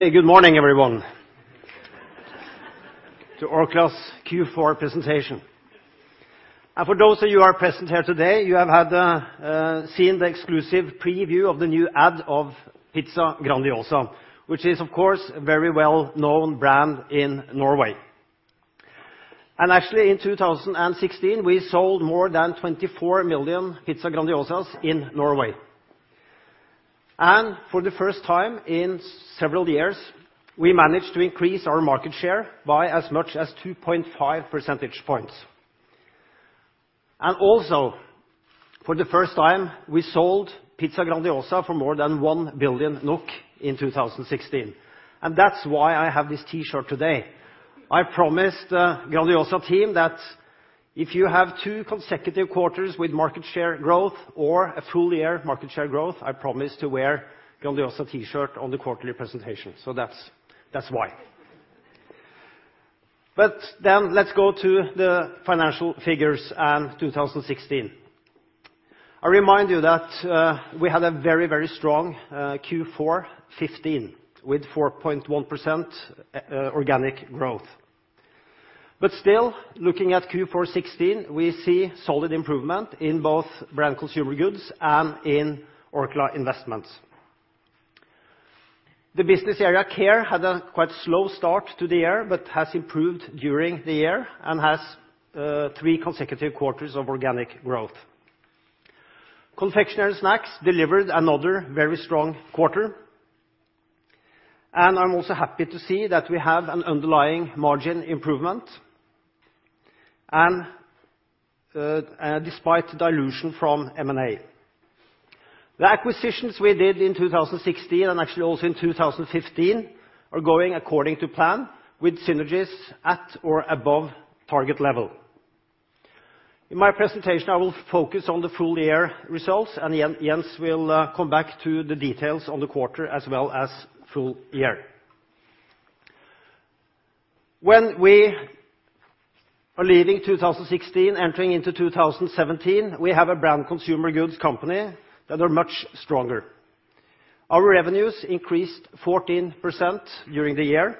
Good morning, everyone, to Orkla's Q4 presentation. For those of you who are present here today, you have seen the exclusive preview of the new ad of Pizza Grandiosa, which is, of course, a very well-known brand in Norway. Actually, in 2016, we sold more than 24 million Pizza Grandiosas in Norway. For the first time in several years, we managed to increase our market share by as much as 2.5 percentage points. Also, for the first time, we sold Pizza Grandiosa for more than 1 billion NOK in 2016, and that's why I have this T-shirt today. I promised the Grandiosa team that if you have two consecutive quarters with market share growth or a full year of market share growth, I promise to wear Grandiosa T-shirt on the quarterly presentation. That's why. Let's go to the financial figures and 2016. I remind you that we had a very strong Q4 2015 with 4.1% organic growth. Still, looking at Q4 2016, we see solid improvement in both Branded Consumer Goods and in Orkla Investments. The business area Orkla Care had a quite slow start to the year, but has improved during the year and has three consecutive quarters of organic growth. Confectionery snacks delivered another very strong quarter, and I am also happy to see that we have an underlying margin improvement despite dilution from M&A. The acquisitions we did in 2016 and actually also in 2015 are going according to plan with synergies at or above target level. In my presentation, I will focus on the full-year results, and Jens will come back to the details on the quarter as well as full year. When we are leaving 2016, entering into 2017, we have a Branded Consumer Goods company that are much stronger. Our revenues increased 14% during the year.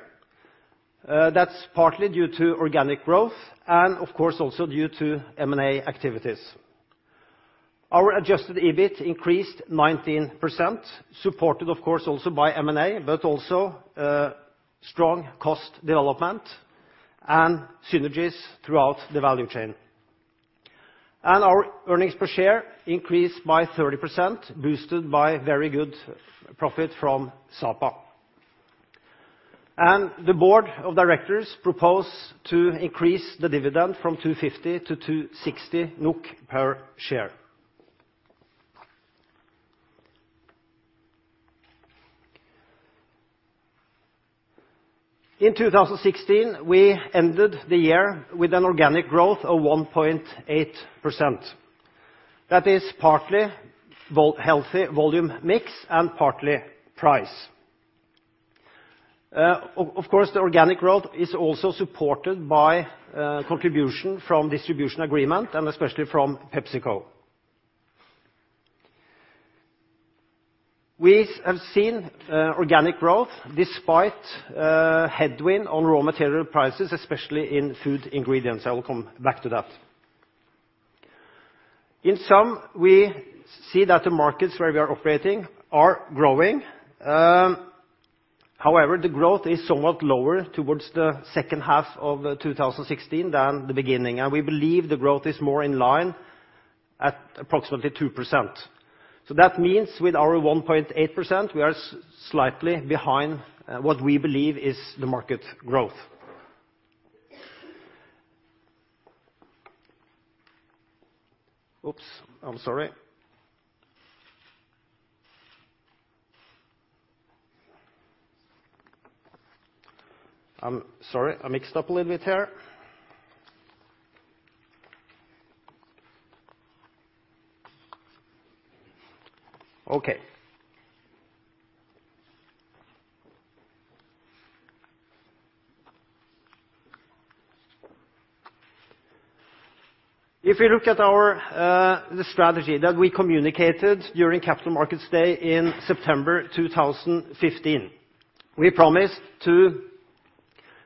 That's partly due to organic growth and, of course, also due to M&A activities. Our adjusted EBIT increased 19%, supported of course also by M&A, but also strong cost development and synergies throughout the value chain. Our earnings per share increased by 30%, boosted by very good profit from Sapa. The Board of Directors propose to increase the dividend from 250-260 NOK per share. In 2016, we ended the year with an organic growth of 1.8%. That is partly healthy volume mix and partly price. Of course, the organic growth is also supported by contribution from distribution agreement and especially from PepsiCo. We have seen organic growth despite headwind on raw material prices, especially in food ingredients. I will come back to that. In sum, we see that the markets where we are operating are growing. However, the growth is somewhat lower towards the second half of 2016 than the beginning, and we believe the growth is more in line at approximately 2%. That means with our 1.8%, we are slightly behind what we believe is the market growth. Oops. I'm sorry. I'm sorry. I mixed up a little bit here. Okay. If you look at our strategy that we communicated during Capital Markets Day in September 2015, we promised to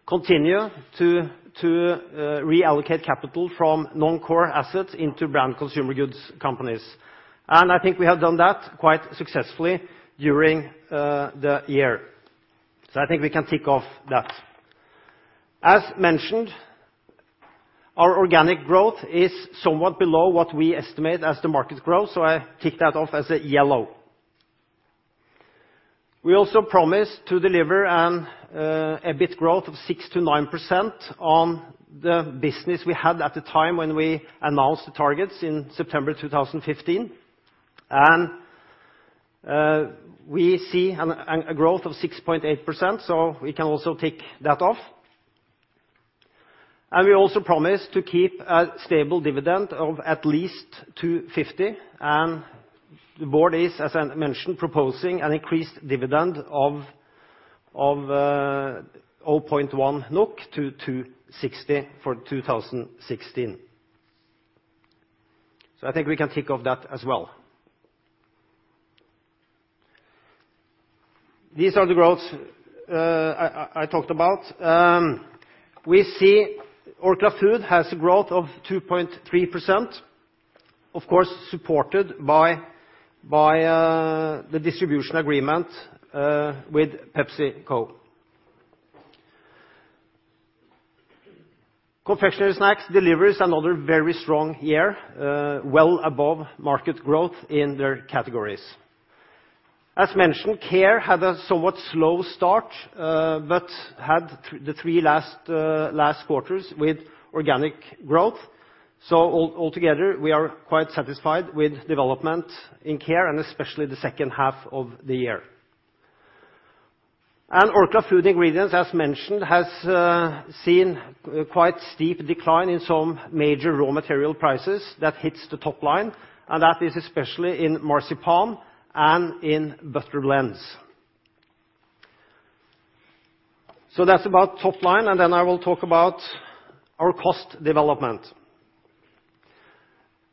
continue to reallocate capital from non-core assets into Branded Consumer Goods companies. I think we have done that quite successfully during the year. I think we can tick off that. As mentioned, our organic growth is somewhat below what we estimate as the market growth, I tick that off as a yellow. We also promised to deliver an EBIT growth of 6%-9% on the business we had at the time when we announced the targets in September 2015. We see a growth of 6.8%, we can also tick that off. We also promised to keep a stable dividend of at least 2.50, and the board is, as I mentioned, proposing an increased dividend of 0.1-2.60 NOK for 2016. I think we can tick off that as well. These are the growths I talked about. We see Orkla Foods has a growth of 2.3%, of course, supported by the distribution agreement with PepsiCo. Confectionery Snacks delivers another very strong year, well above market growth in their categories. As mentioned, Care had a somewhat slow start, but had the three last quarters with organic growth. Altogether, we are quite satisfied with development in Care, especially the second half of the year. Orkla Food Ingredients, as mentioned, has seen quite steep decline in some major raw material prices that hits the top line, and that is especially in marzipan and in butter blends. That's about top line, then I will talk about our cost development.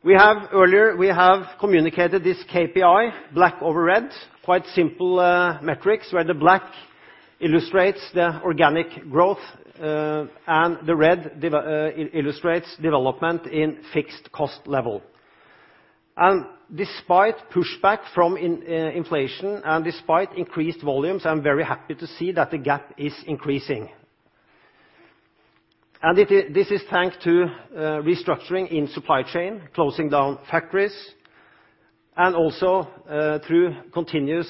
Earlier, we have communicated this KPI, black over red, quite simple metrics, where the black illustrates the organic growth, and the red illustrates development in fixed cost level. Despite pushback from inflation and despite increased volumes, I'm very happy to see that the gap is increasing. This is thanks to restructuring in supply chain, closing down factories, and also through continuous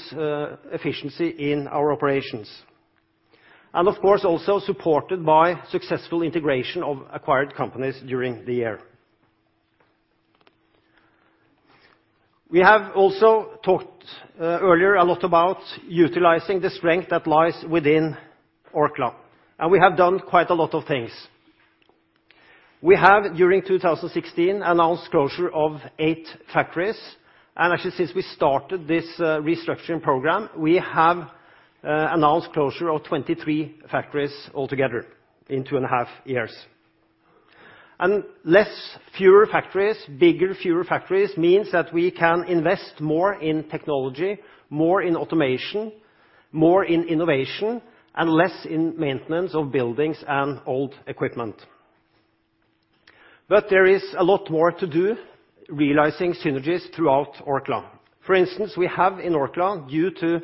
efficiency in our operations. Of course, also supported by successful integration of acquired companies during the year. We have also talked earlier a lot about utilizing the strength that lies within Orkla. We have done quite a lot of things. We have, during 2016, announced closure of eight factories, and actually, since we started this restructuring program, we have announced closure of 23 factories altogether in two and a half years. Fewer factories means that we can invest more in technology, more in automation, more in innovation, and less in maintenance of buildings and old equipment. There is a lot more to do realizing synergies throughout Orkla. For instance, we have in Orkla, due to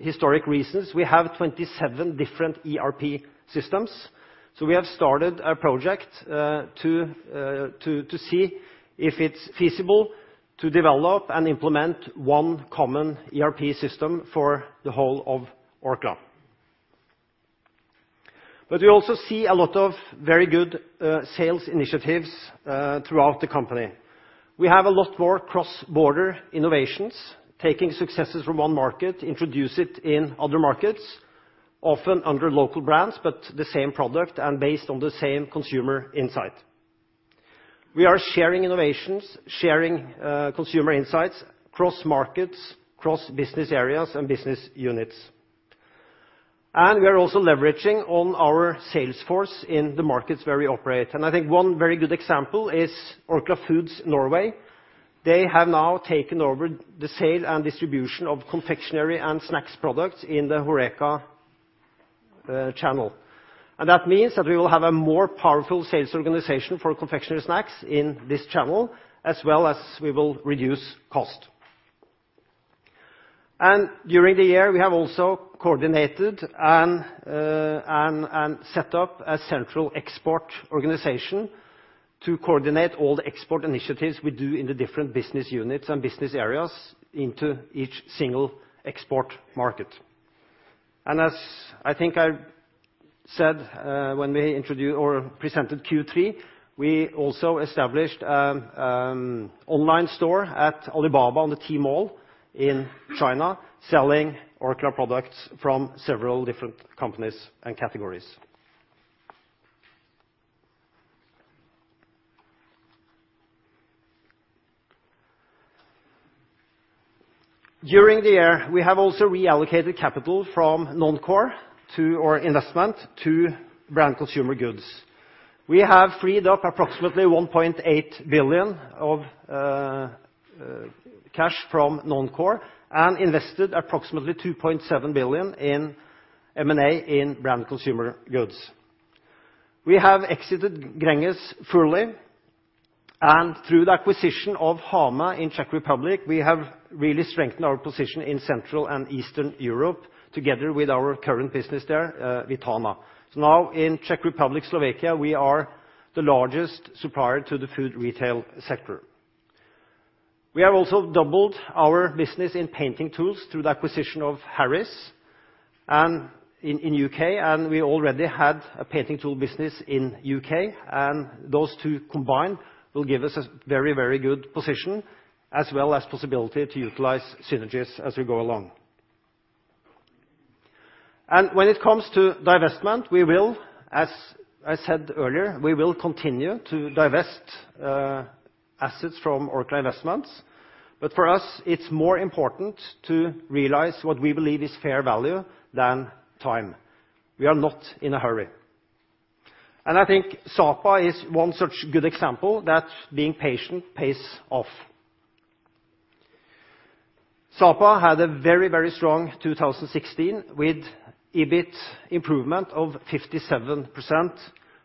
historic reasons, we have 27 different ERP systems, we have started a project to see if it's feasible to develop and implement one common ERP system for the whole of Orkla. We also see a lot of very good sales initiatives throughout the company. We have a lot more cross-border innovations, taking successes from one market, introduce it in other markets, often under local brands, but the same product and based on the same consumer insight. We are sharing innovations, sharing consumer insights across markets, across business areas and business units. We are also leveraging on our sales force in the markets where we operate. I think one very good example is Orkla Foods Norge. They have now taken over the sale and distribution of confectionery and snacks products in the HoReCa channel. That means that we will have a more powerful sales organization for confectionery snacks in this channel, as well as we will reduce cost. During the year, we have also coordinated and set up a central export organization to coordinate all the export initiatives we do in the different business units and business areas into each single export market. As I think I said when we introduced or presented Q3, we also established an online store at Alibaba on Tmall in China, selling Orkla products from several different companies and categories. During the year, we have also reallocated capital from non-core to our investment to Branded Consumer Goods. We have freed up approximately 1.8 billion of cash from non-core and invested approximately 2.7 billion in M&A in Branded Consumer Goods. We have exited Greengates fully, and through the acquisition of Hamé in Czech Republic, we have really strengthened our position in Central and Eastern Europe together with our current business there, Vitana. Now in Czech Republic, Slovakia, we are the largest supplier to the food retail sector. We have also doubled our business in painting tools through the acquisition of Harris in U.K., and we already had a painting tool business in U.K., and those two combined will give us a very good position as well as possibility to utilize synergies as we go along. When it comes to divestment, as I said earlier, we will continue to divest assets from Orkla Investments. But for us, it is more important to realize what we believe is fair value than time. We are not in a hurry. I think Sapa is one such good example that being patient pays off. Sapa had a very strong 2016, with EBIT improvement of 57%,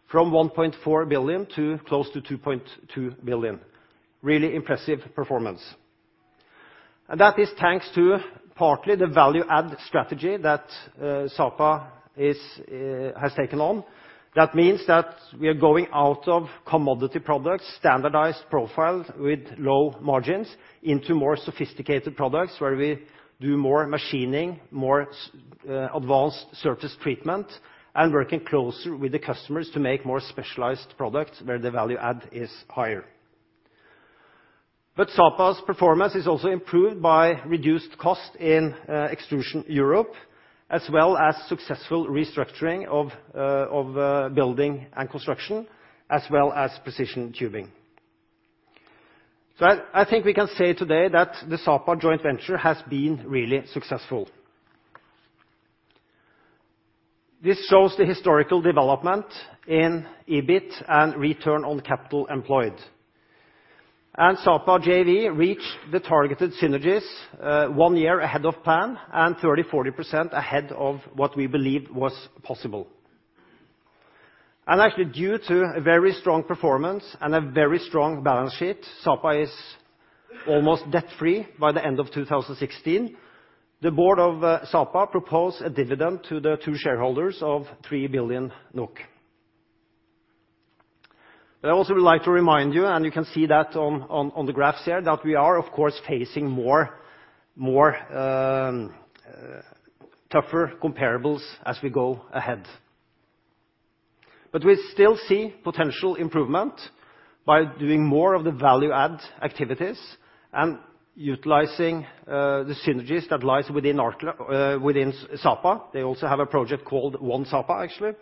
from 1.4 billion to close to 2.2 billion. Really impressive performance. That is thanks to partly the value-add strategy that Sapa has taken on. That means that we are going out of commodity products, standardized profile with low margins into more sophisticated products where we do more machining, more advanced surface treatment, and working closer with the customers to make more specialized products where the value-add is higher. Sapa's performance is also improved by reduced cost in Extrusion Europe, as well as successful restructuring of building and construction, as well as precision tubing. I think we can say today that the Sapa joint venture has been really successful. This shows the historical development in EBIT and return on capital employed. Sapa JV reached the targeted synergies one year ahead of plan and 30%-40% ahead of what we believed was possible. Actually, due to a very strong performance and a very strong balance sheet, Sapa is almost debt-free by the end of 2016. The board of Sapa proposed a dividend to the two shareholders of 3 billion NOK. I also would like to remind you, and you can see that on the graphs here, that we are of course, facing more tougher comparables as we go ahead. But we still see potential improvement by doing more of the value-add activities and utilizing the synergies that lies within Sapa. They also have a project called One Sapa, actually.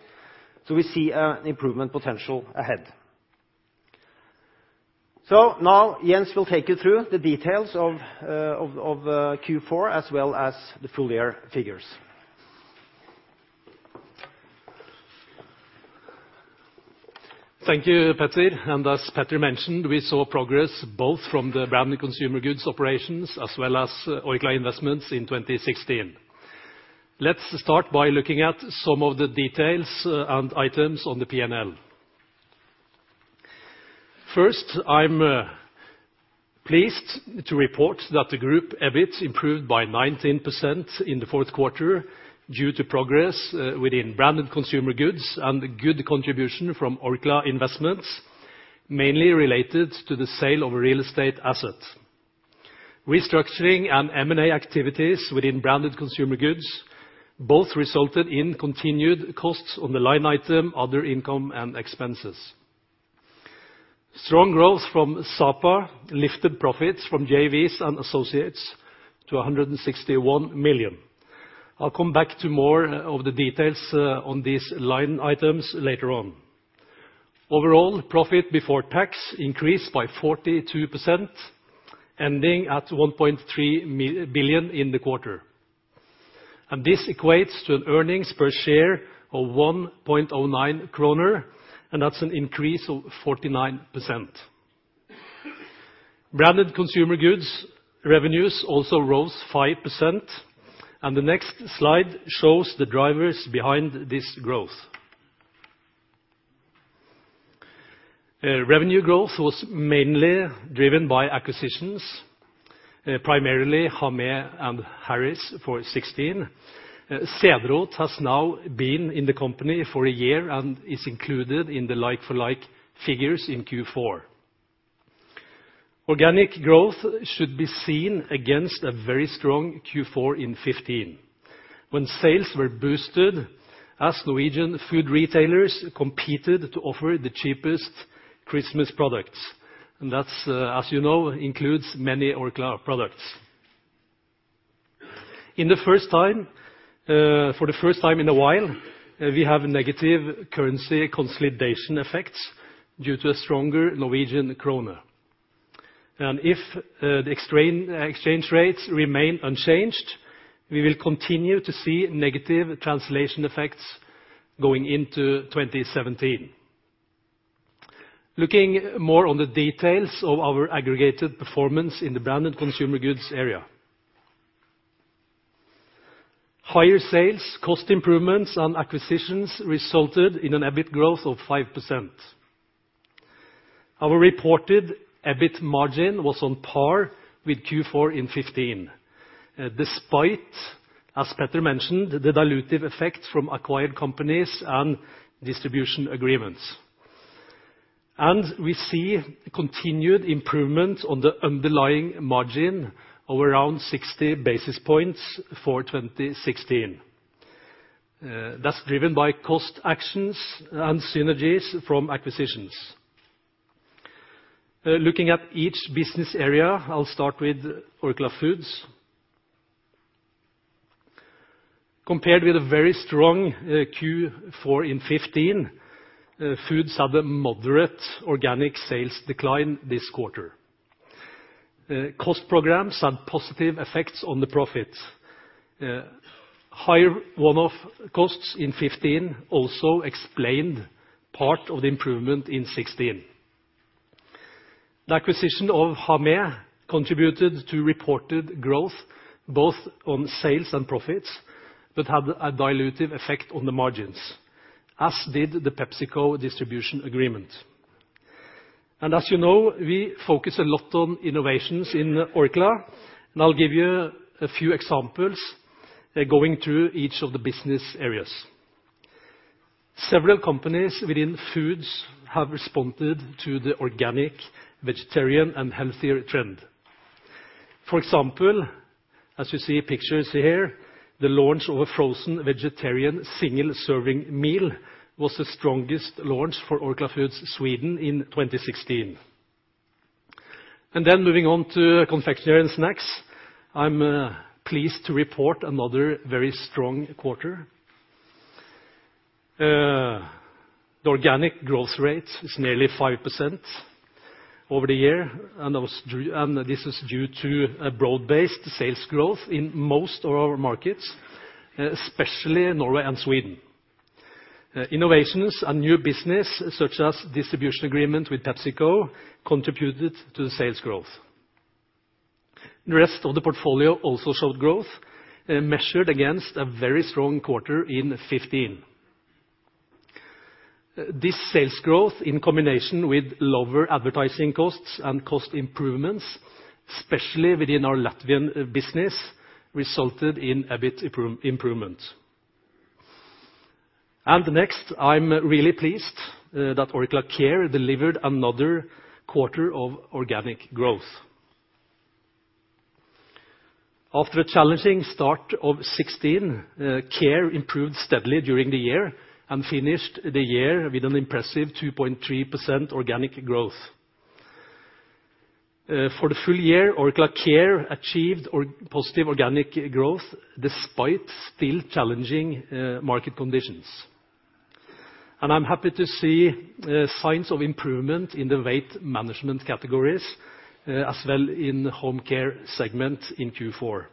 We see an improvement potential ahead. Jens will take you through the details of Q4 as well as the full year figures. Thank you, Peter As Peter mentioned, we saw progress both from the Branded Consumer Goods operations as well as Orkla Investments in 2016. Let's start by looking at some of the details and items on the P&L. First, I am pleased to report that the group EBIT improved by 19% in the fourth quarter due to progress within Branded Consumer Goods and good contribution from Orkla Investments, mainly related to the sale of real estate assets. Restructuring and M&A activities within Branded Consumer Goods both resulted in continued costs on the line item, other income and expenses. Strong growth from Sapa lifted profits from JVs and associates to 161 million. I'll come back to more of the details on these line items later on. Overall, profit before tax increased by 42%, ending at 1.3 billion in the quarter. This equates to an earnings per share of 1.09 kroner, and that's an increase of 49%. Branded Consumer Goods revenues also rose 5%, and the next slide shows the drivers behind this growth. Revenue growth was mainly driven by acquisitions, primarily Hamé and Harrys for 2016. Cederroth has now been in the company for a year and is included in the like-for-like figures in Q4. Organic growth should be seen against a very strong Q4 in 2015, when sales were boosted as Norwegian food retailers competed to offer the cheapest Christmas products. That, as you know, includes many Orkla products. For the first time in a while, we have negative currency consolidation effects due to a stronger Norwegian krone. If the exchange rates remain unchanged, we will continue to see negative translation effects going into 2017. Looking more on the details of our aggregated performance in the Branded Consumer Goods area. Higher sales, cost improvements, and acquisitions resulted in an EBIT growth of 5%. Our reported EBIT margin was on par with Q4 in 2015, despite, as Peter mentioned, the dilutive effects from acquired companies and distribution agreements. And we see continued improvement on the underlying margin of around 60 basis points for 2016. That's driven by cost actions and synergies from acquisitions. Looking at each business area, I'll start with Orkla Foods. Compared with a very strong Q4 in 2015, Foods had a moderate organic sales decline this quarter. The cost programs had positive effects on the profits. Higher one-off costs in 2015 also explained part of the improvement in 2016. The acquisition of Hamé contributed to reported growth both on sales and profits, but had a dilutive effect on the margins, as did the PepsiCo distribution agreement. As you know, we focus a lot on innovations in Orkla, and I'll give you a few examples going through each of the business areas. Several companies within foods have responded to the organic, vegetarian, and healthier trend. For example, as you see pictures here, the launch of a frozen vegetarian single-serving meal was the strongest launch for Orkla Foods Sverige in 2016. Moving on to confectionery and snacks, I'm pleased to report another very strong quarter. The organic growth rate is nearly 5% over the year, and this is due to a broad-based sales growth in most of our markets, especially Norway and Sweden. Innovations and new business, such as distribution agreement with PepsiCo, contributed to the sales growth. The rest of the portfolio also showed growth, measured against a very strong quarter in 2015. This sales growth, in combination with lower advertising costs and cost improvements, especially within our Latvian business, resulted in EBIT improvement. Next, I am really pleased that Orkla Care delivered another quarter of organic growth. After a challenging start of 2016, Care improved steadily during the year and finished the year with an impressive 2.3% organic growth. For the full year, Orkla Care achieved positive organic growth despite still challenging market conditions. I am happy to see signs of improvement in the weight management categories as well in home care segment in Q4.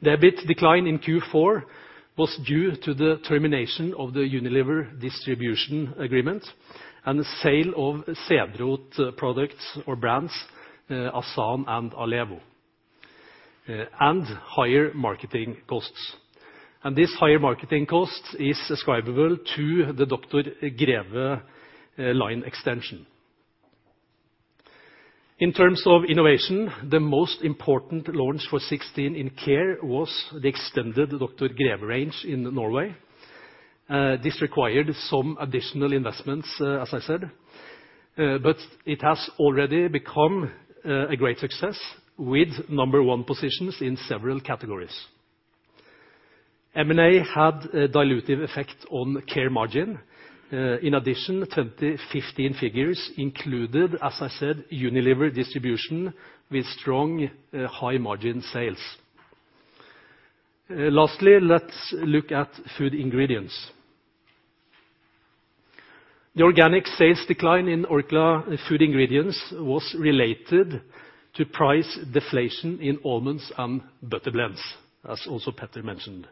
The EBIT decline in Q4 was due to the termination of the Unilever distribution agreement and the sale of Cederroth products or brands, Asan and Allévo, and higher marketing costs. This higher marketing cost is ascribable to the Dr. Greve line extension. In terms of innovation, the most important launch for 2016 in Care was the extended Dr. Greve range in Norway. This required some additional investments, as I said, but it has already become a great success with number one positions in several categories. M&A had a dilutive effect on Care margin. In addition, 2015 figures included, as I said, Unilever distribution with strong high-margin sales. Lastly, let us look at Food Ingredients. The organic sales decline in Orkla Food Ingredients was related to price deflation in almonds and butter blends, as also Peter mentioned.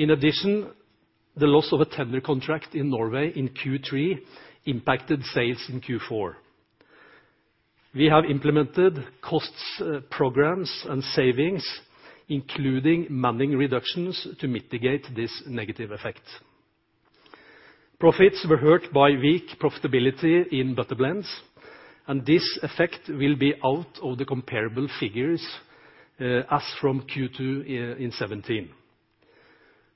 In addition, the loss of a tender contract in Norway in Q3 impacted sales in Q4. We have implemented costs programs and savings, including manning reductions, to mitigate this negative effect. Profits were hurt by weak profitability in butter blends, and this effect will be out of the comparable figures as from Q2 in 2017.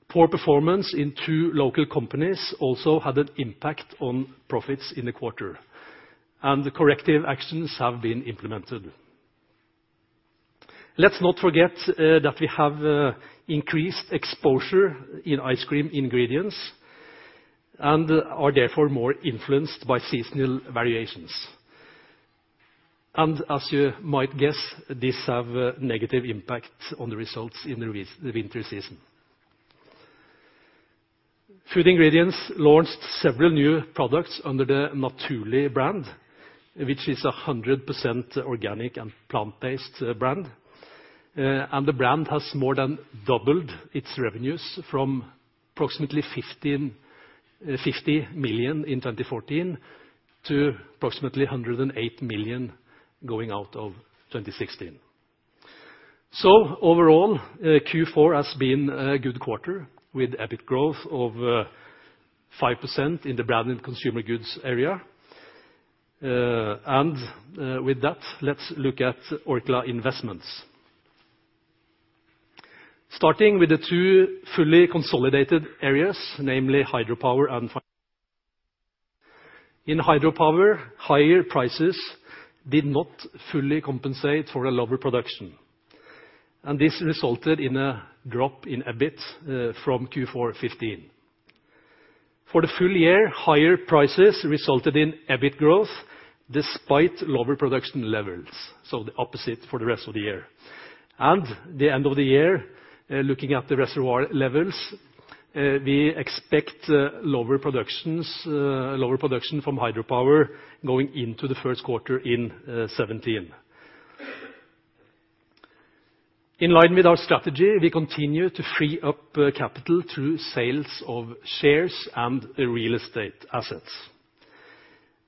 Poor performance in two local companies also had an impact on profits in the quarter, and the corrective actions have been implemented. Let us not forget that we have increased exposure in ice cream ingredients and are therefore more influenced by seasonal variations. As you might guess, this have a negative impact on the results in the winter season. Food Ingredients launched several new products under the Naturli' brand, which is 100% organic and plant-based brand. The brand has more than doubled its revenues from approximately 50 million in 2014 to approximately 108 million going out of 2016. So overall, Q4 has been a good quarter with EBIT growth of 5% in the Branded Consumer Goods area. With that, let us look at Orkla Investments. Starting with the two fully consolidated areas, namely hydropower and. In hydropower, higher prices did not fully compensate for a lower production, and this resulted in a drop in EBIT from Q4 2015. For the full year, higher prices resulted in EBIT growth despite lower production levels, so the opposite for the rest of the year. The end of the year, looking at the reservoir levels We expect lower production from hydropower going into the first quarter in 2017. In line with our strategy, we continue to free up capital through sales of shares and the real estate assets.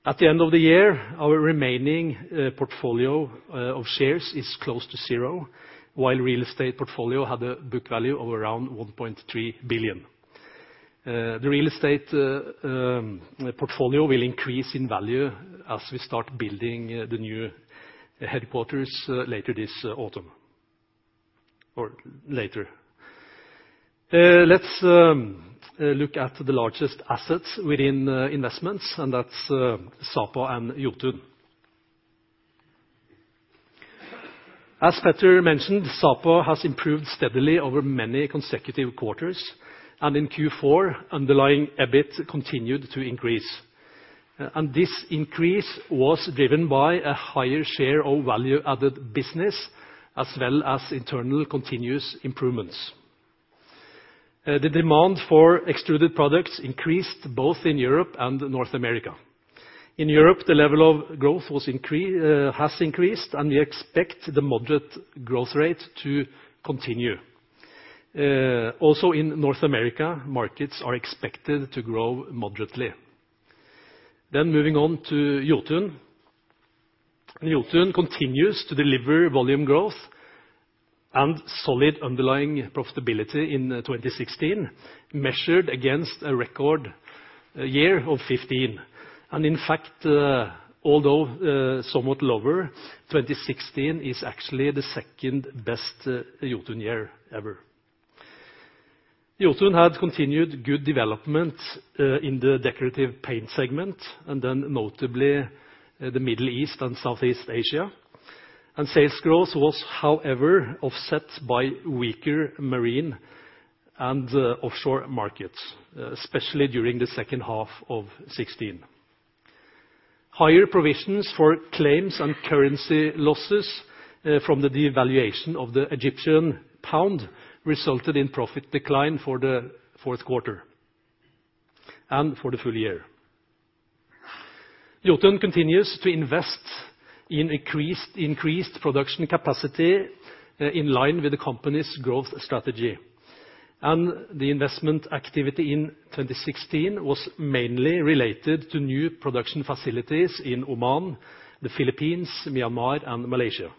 At the end of the year, our remaining portfolio of shares is close to zero, while real estate portfolio had a book value of around 1.3 billion. The real estate portfolio will increase in value as we start building the new headquarters later this autumn. Later. Let's look at the largest assets within investments. That's Sapa and Jotun. As Peter mentioned, Sapa has improved steadily over many consecutive quarters, and in Q4, underlying EBIT continued to increase. This increase was driven by a higher share of value-added business as well as internal continuous improvements. The demand for extruded products increased both in Europe and North America. In Europe, the level of growth has increased, and we expect the moderate growth rate to continue. Also in North America, markets are expected to grow moderately. Moving on to Jotun. Jotun continues to deliver volume growth and solid underlying profitability in 2016, measured against a record year of 2015. In fact, although somewhat lower, 2016 is actually the second-best Jotun year ever. Jotun had continued good development in the decorative paint segment, notably the Middle East and Southeast Asia. Sales growth was, however, offset by weaker marine and offshore markets, especially during the second half of 2016. Higher provisions for claims and currency losses from the devaluation of the Egyptian pound resulted in profit decline for the fourth quarter and for the full year. Jotun continues to invest in increased production capacity in line with the company's growth strategy. The investment activity in 2016 was mainly related to new production facilities in Oman, the Philippines, Myanmar and Malaysia,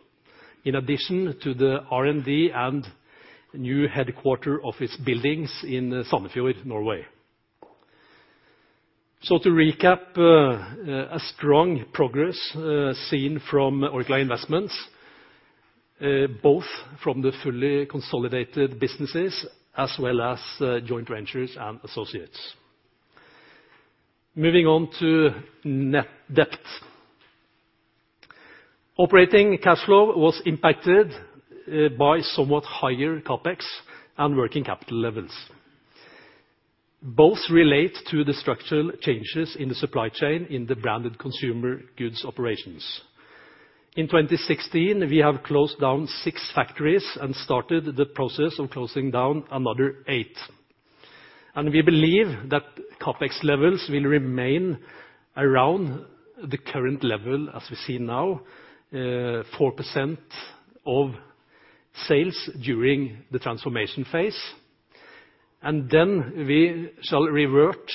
in addition to the R&D and new headquarter office buildings in Sandefjord, Norway. To recap, a strong progress seen from Orkla Investments, both from the fully consolidated businesses as well as joint ventures and associates. Moving on to net debt. Operating cash flow was impacted by somewhat higher CapEx and working capital levels. Both relate to the structural changes in the supply chain in the Branded Consumer Goods operations. In 2016, we have closed down six factories and started the process of closing down another eight. We believe that CapEx levels will remain around the current level, as we see now, 4% of sales during the transformation phase. We shall revert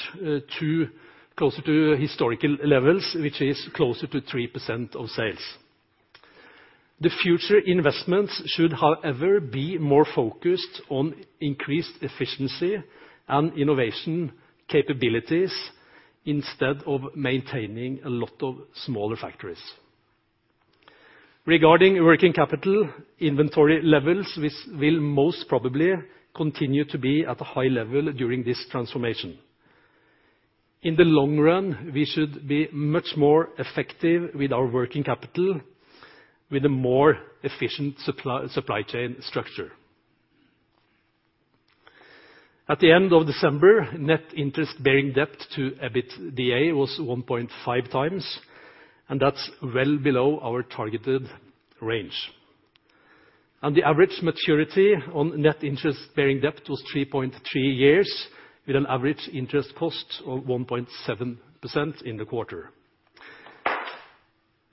to closer to historical levels, which is closer to 3% of sales. The future investments should, however, be more focused on increased efficiency and innovation capabilities instead of maintaining a lot of smaller factories. Regarding working capital inventory levels, this will most probably continue to be at a high level during this transformation. In the long run, we should be much more effective with our working capital with a more efficient supply chain structure. At the end of December, net interest bearing debt to EBITDA was 1.5x. That's well below our targeted range. The average maturity on net interest-bearing debt was 3.3 years with an average interest cost of 1.7% in the quarter.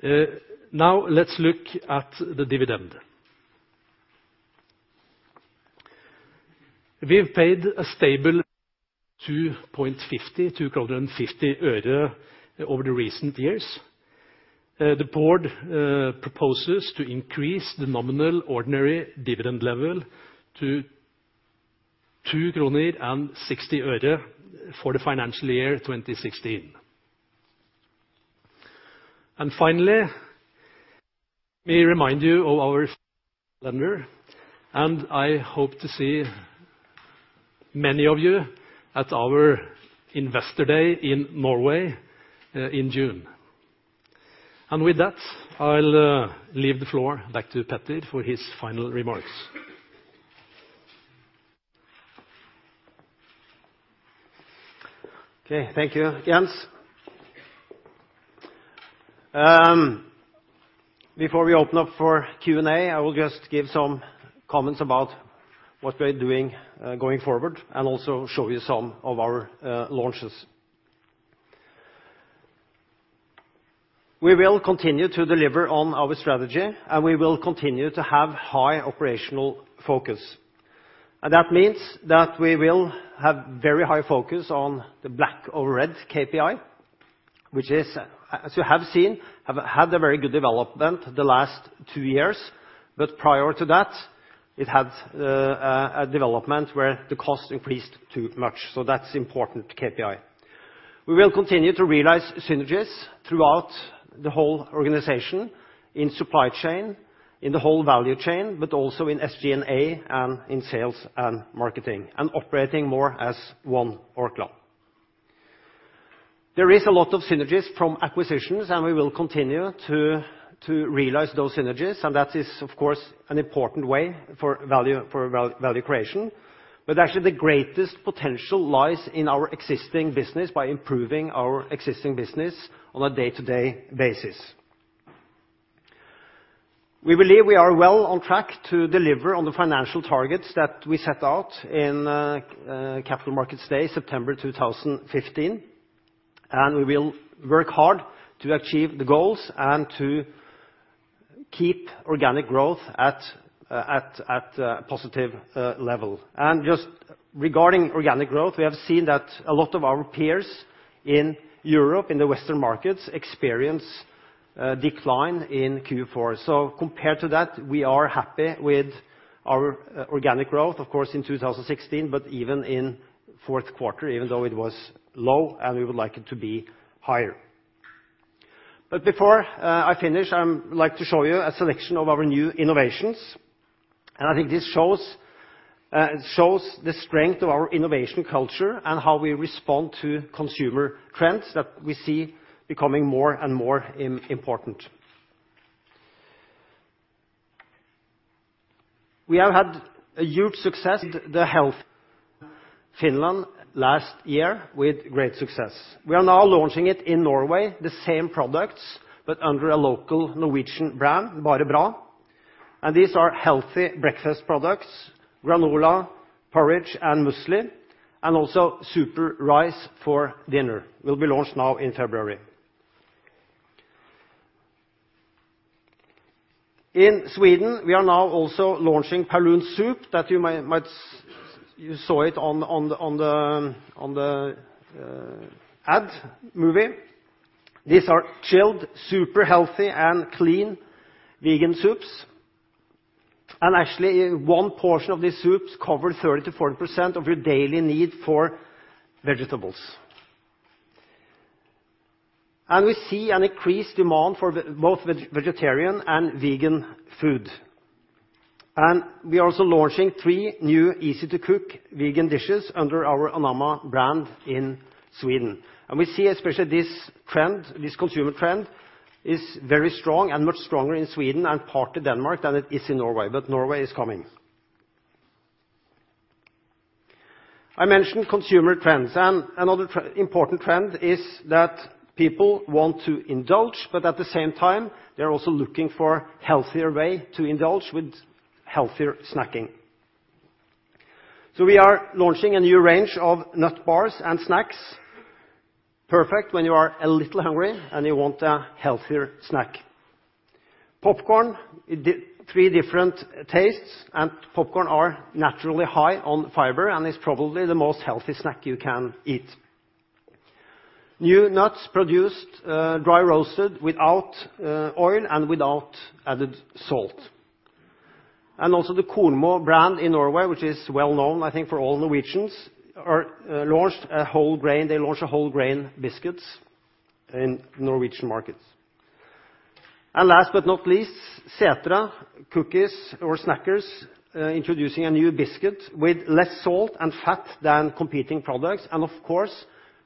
Let's look at the dividend. We've paid a stable 2.50 over the recent years. The board proposes to increase the nominal ordinary dividend level to 2.60 kroner for the financial year 2016. Finally, may I remind you of our calendar. I hope to see many of you at our Investor Day in Norway in June. With that, I'll leave the floor back to Peter for his final remarks. Okay. Thank you, Jens. Before we open up for Q&A, I will just give some comments about what we're doing going forward, and also show you some of our launches. We will continue to deliver on our strategy, and we will continue to have high operational focus. That means that we will have very high focus on the black or red KPI, which as you have seen, had a very good development the last two years. Prior to that, it had a development where the cost increased too much. That's important KPI. We will continue to realize synergies throughout the whole organization, in supply chain, in the whole value chain, but also in SG&A and in sales and marketing, and operating more as one Orkla. There is a lot of synergies from acquisitions. We will continue to realize those synergies. That is, of course, an important way for value creation. Actually, the greatest potential lies in our existing business by improving our existing business on a day-to-day basis. We believe we are well on track to deliver on the financial targets that we set out in Capital Markets Day, September 2015. We will work hard to achieve the goals and to keep organic growth at a positive level. Just regarding organic growth, we have seen that a lot of our peers in Europe, in the Western markets, experience a decline in Q4. Compared to that, we are happy with our organic growth, of course, in 2016, but even in fourth quarter, even though it was low. We would like it to be higher. Before I finish, I'd like to show you a selection of our new innovations. I think this shows the strength of our innovation culture and how we respond to consumer trends that we see becoming more and more important. We have had a huge success with the health Finland last year with great success. We are now launching it in Norway, the same products, but under a local Norwegian brand, Bare Bra. These are healthy breakfast products, granola, porridge, and muesli, and also super rice for dinner, will be launched now in February. In Sweden, we are now also launching Paulúns Soup that you saw it on the ad movie. These are chilled, super healthy, and clean vegan soups. Actually, one portion of these soups cover 30%-40% of your daily need for vegetables. We see an increased demand for both vegetarian and vegan food. We are also launching three new easy-to-cook vegan dishes under our Anamma brand in Sweden. We see especially this consumer trend is very strong and much stronger in Sweden and parts of Denmark than it is in Norway, but Norway is coming. I mentioned consumer trends. Another important trend is that people want to indulge, but at the same time, they're also looking for a healthier way to indulge with healthier snacking. We are launching a new range of nut bars and snacks, perfect when you are a little hungry and you want a healthier snack. Popcorn, three different tastes. Popcorn are naturally high on fiber and is probably the most healthy snack you can eat. New nuts produced dry-roasted without oil and without added salt. Also the Kornmo brand in Norway, which is well-known, I think, for all Norwegians, they launched whole grain biscuits in Norwegian markets. Last but not least, Sætre cookies or snackers, introducing a new biscuit with less salt and fat than competing products and, of course,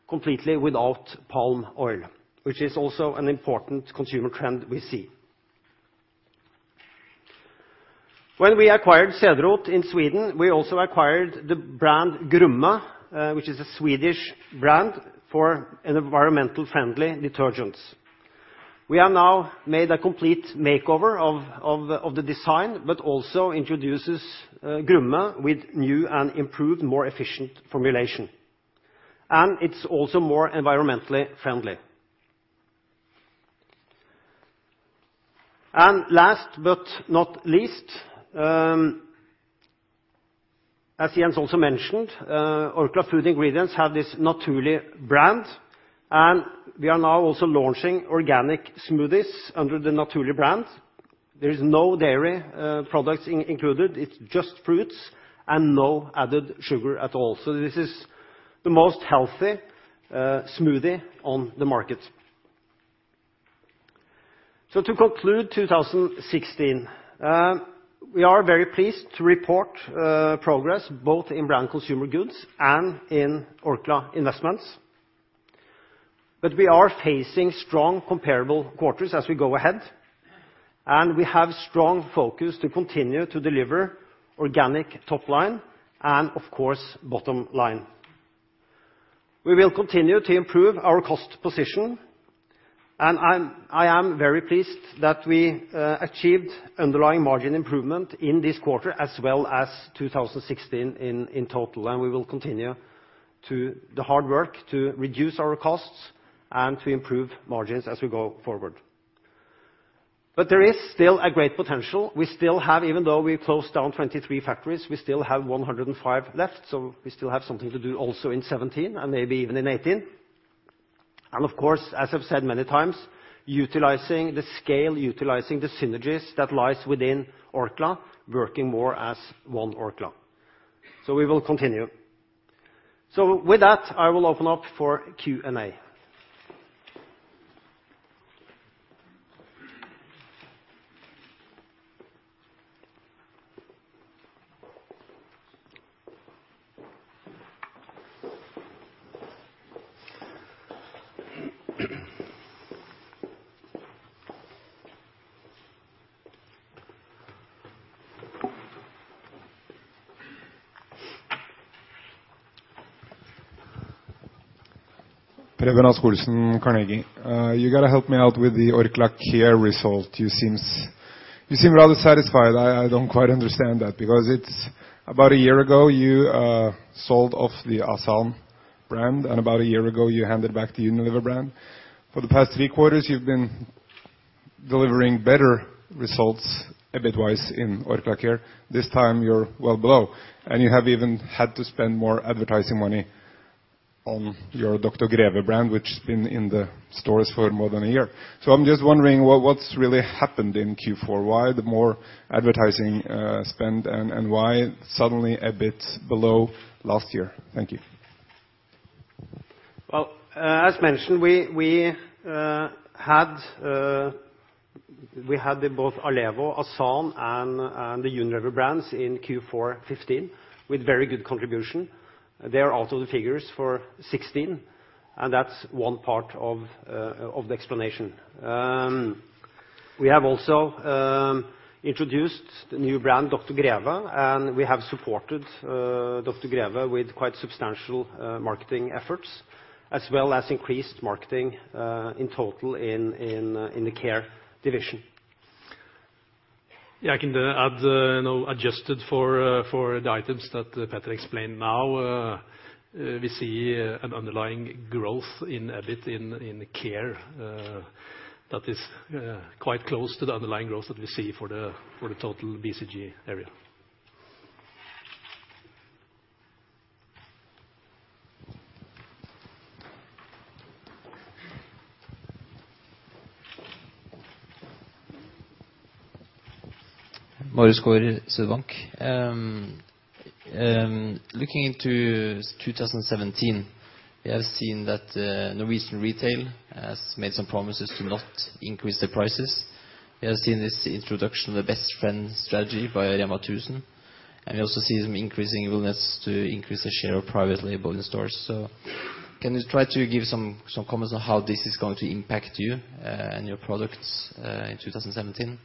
completely without palm oil, which is also an important consumer trend we see. When we acquired Cederroth in Sweden, we also acquired the brand Grumme, which is a Swedish brand for environmentally friendly detergents. We have now made a complete makeover of the deswedign, also introduces Grumme with new and improved, more efficient formulation. It's also more environmentally friendly. Last but not least, as Jens also mentioned, Orkla Food Ingredients have this Naturli' brand, and we are now also launching organic smoothies under the Naturli' brand. There is no dairy products included. It's just fruits and no added sugar at all. This is the most healthy smoothie on the market. To conclude 2016, we are very pleased to report progress both in Branded Consumer Goods and in Orkla Investments. We are facing strong comparable quarters as we go ahead, and we have strong focus to continue to deliver organic top line and, of course, bottom line. We will continue to improve our cost position, I am very pleased that we achieved underlying margin improvement in this quarter as well as 2016 in total. We will continue the hard work to reduce our costs and to improve margins as we go forward. There is still a great potential. Even though we closed down 23 factories, we still have 105 left, so we still have something to do also in 2017 and maybe even in 2018. Of course, as I've said many times, utilizing the scale, utilizing the synergies that lies within Orkla, working more as one Orkla. We will continue. With that, I will open up for Q&A. Preben Rasch-Olsen, Carnegie. You got to help me out with the Orkla Care result. You seem rather satisfied. I don't quite understand that because about a year ago, you sold off the Asan brand, and about a year ago, you handed back the Unilever brand. For the past three quarters, you've been delivering better results, EBIT-wise, in Orkla Care. This time you're well below, and you have even had to spend more advertising money on your Dr. Greve brand, which has been in the stores for more than a year. I'm just wondering what's really happened in Q4. Why the more advertising spend, and why suddenly EBIT below last year? Thank you. As mentioned, we had both Allévo, Asan, and the Unilever brands in Q4 2015 with very good contribution. They are also the figures for 2016, that's one part of the explanation. We have also introduced the new brand, Dr. Greve, and we have supported Dr. Greve with quite substantial marketing efforts as well as increased marketing in total in the Care division. I can add, adjusted for the items that Peter explained now, we see an underlying growth in EBIT in Care that is quite close to the underlying growth that we see for the total BCG area. Marius Gaard, Sydbank. Looking into 2017, we have seen that Norwegian retail has made some promises to not increase their prices. We have seen this introduction of the best friend strategy by and we also see some increasing willingness to increase the share of private label in stores. Can you try to give some comments on how this is going to impact you and your products in 2017,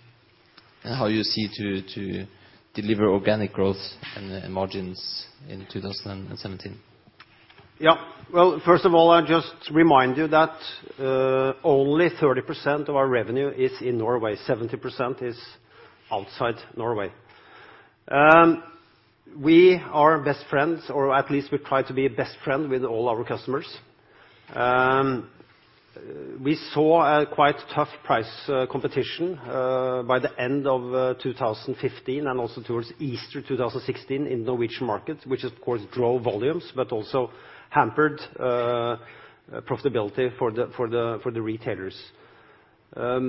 and how you see to deliver organic growth and margins in 2017? First of all, I'd just remind you that only 30% of our revenue is in Norway, 70% is outside Norway. We are best friends, or at least we try to be best friend with all our customers. We saw a quite tough price competition by the end of 2015 and also towards Easter 2016 in Norwegian markets, which of course drove volumes, but also hampered profitability for the retailers. I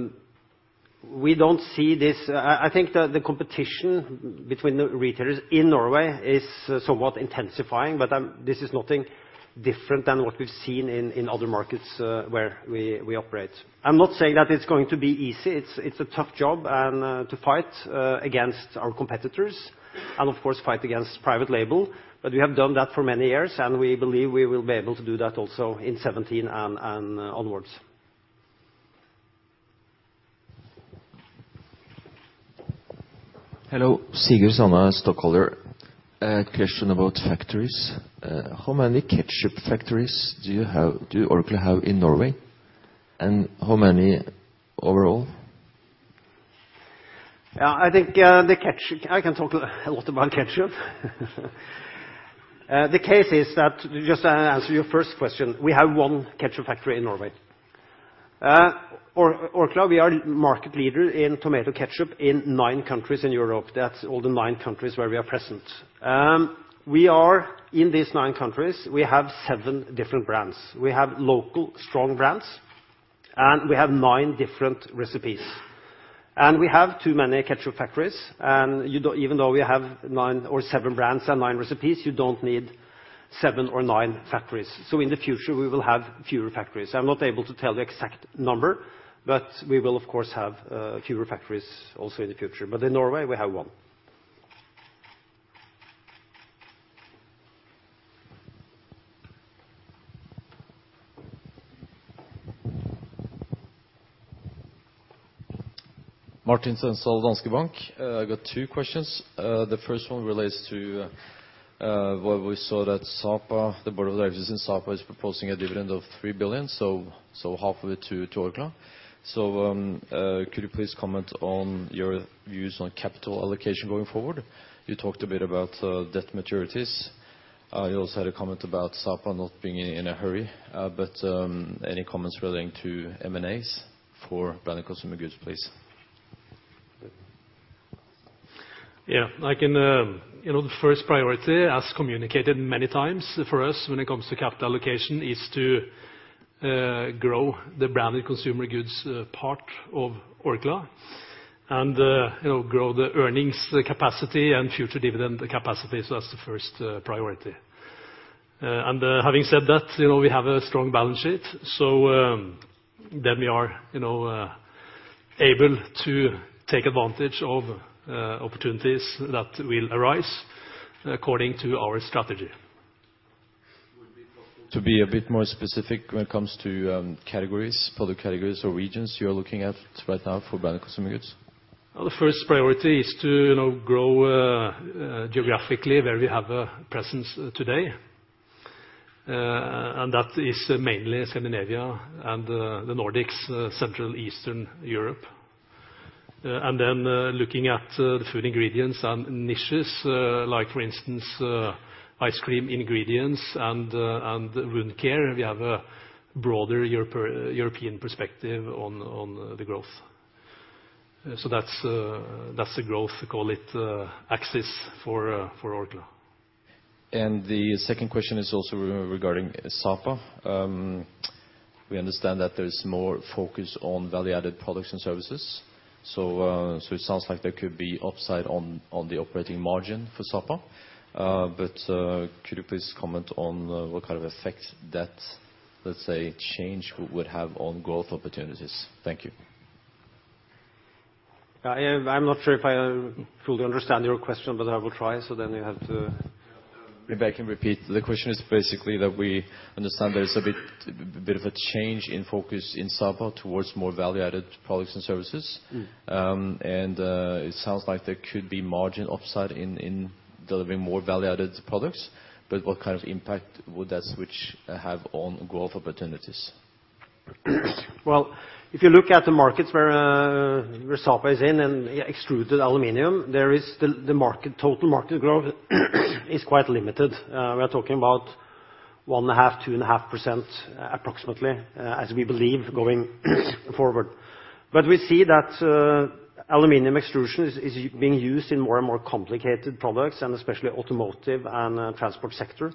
think the competition between the retailers in Norway is somewhat intensifying, but this is nothing different than what we've seen in other markets where we operate. I'm not saying that it's going to be easy. It's a tough job to fight against our competitors and, of course, fight against private label. We have done that for many years, and we believe we will be able to do that also in 2017 and onwards. Hello. Sigurd Sanna, stockholder. A question about factories. How many ketchup factories do Orkla have in Norway, and how many overall? Yeah, I can talk a lot about ketchup. The case is that, just to answer your first question, we have one ketchup factory in Norway. Orkla, we are market leader in tomato ketchup in nine countries in Europe. That's all the nine countries where we are present. In these nine countries, we have seven different brands. We have local strong brands, and we have nine different recipes. We have too many ketchup factories. Even though we have seven brands and nine recipes, you don't need seven or nine factories. In the future, we will have fewer factories. I'm not able to tell the exact number, but we will, of course, have fewer factories also in the future. But in Norway, we have one. Martin Sørensen, Danske Bank. I got two questions. The first one relates to what we saw that the board of directors in Sapa is proposing a dividend of 3 billion, so half of it to Orkla. Could you please comment on your views on capital allocation going forward? You talked a bit about debt maturities. You also had a comment about Sapa not being in a hurry. Any comments relating to M&As for Branded Consumer Goods, please? Yeah. The first priority, as communicated many times, for us when it comes to capital allocation is to grow the Branded Consumer Goods part of Orkla and grow the earnings capacity and future dividend capacity. That's the first priority. Having said that, we have a strong balance sheet. Then we are able to take advantage of opportunities that will arise according to our strategy. To be a bit more specific when it comes to product categories or regions you're looking at right now for Branded Consumer Goods. The first priority is to grow geographically where we have a presence today. That is mainly Scandinavia and the Nordics, Central Eastern Europe. Looking at the food ingredients and niches like, for instance, ice cream ingredients and wound care, we have a broader European perspective on the growth. That's the growth, we call it, axis for Orkla. The second question is also regarding Sapa. We understand that there's more focus on value-added products and services. It sounds like there could be upside on the operating margin for Sapa. Could you please comment on what kind of effect that, let's say, change would have on growth opportunities? Thank you. I'm not sure if I fully understand your question, but I will try. You have to Maybe I can repeat. The question is basically that we understand there is a bit of a change in focus in Sapa towards more value-added products and services. It sounds like there could be margin upside in delivering more value-added products. What kind of impact would that switch have on growth opportunities? Well, if you look at the markets where Sapa is in and extruded aluminum, the total market growth is quite limited. We are talking about 1.5%-2.5% approximately, as we believe going forward. We see that aluminum extrusion is being used in more and more complicated products, and especially automotive and transport sector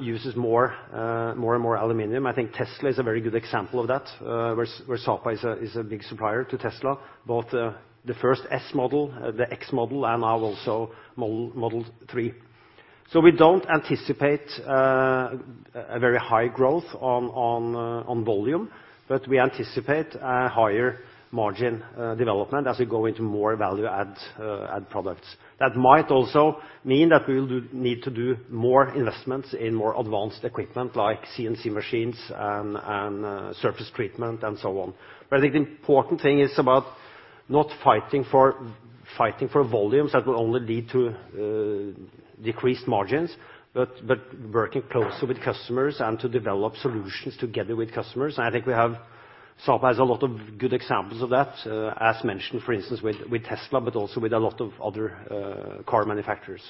uses more aluminum. I think Tesla is a very good example of that, where Sapa is a big supplier to Tesla, both the first Model S, the Model X, and now also Model 3. We do not anticipate a very high growth on volume, but we anticipate a higher margin development as we go into more value-added products. That might also mean that we will need to do more investments in more advanced equipment like CNC machines and surface treatment, and so on. I think the important thing is about not fighting for volumes that will only lead to decreased margins, but working closely with customers and to develop solutions together with customers. I think Sapa has a lot of good examples of that, as mentioned, for instance, with Tesla, but also with a lot of other car manufacturers.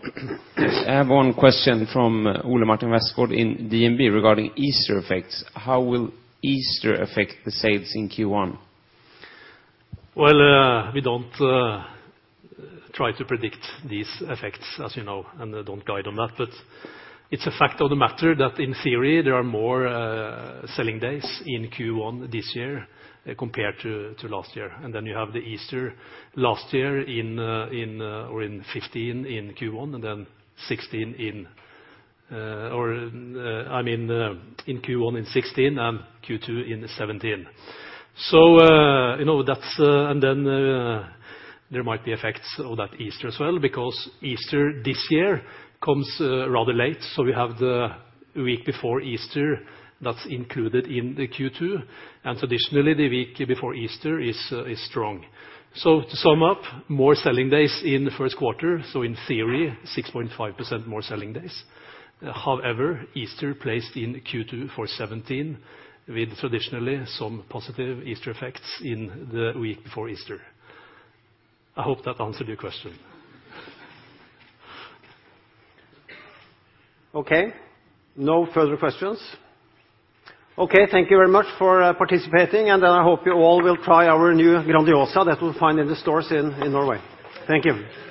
I have one question from Ole Martin Westgaard in DNB regarding Easter effects. How will Easter affect the sales in Q1? We don't try to predict these effects, as you know, and don't guide on that. It's a fact of the matter that in theory, there are more selling days in Q1 this year compared to last year. You have the Easter last year or in 2015 in Q1, then Q1 in 2016, and Q2 in 2017. There might be effects of that Easter as well, because Easter this year comes rather late, so we have the week before Easter that's included in the Q2, and traditionally the week before Easter is strong. To sum up, more selling days in the first quarter, in theory, 6.5% more selling days. However, Easter placed in Q2 for 2017 with traditionally some positive Easter effects in the week before Easter. I hope that answered your question. Okay. No further questions. Okay, thank you very much for participating, and I hope you all will try our new Grandiosa that you will find in the stores in Norway. Thank you.